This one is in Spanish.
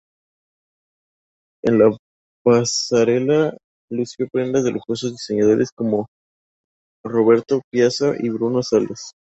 En la pasarela lució prendas de lujosos diseñadores como Roberto Piazza.y Bruno Salas.